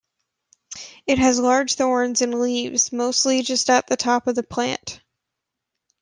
It has large thorns and leaves mostly just at the top of the plant.